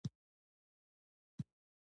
اجتهاد یو لړ کُلي او اصلي اصول مني.